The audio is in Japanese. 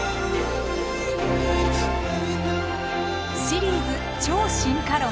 シリーズ「超進化論」